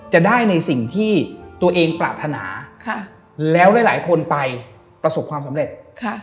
จะได้ในสิ่งที่ตัวเองปรารถนาแล้วหลายคนไปประสบความสำเร็จ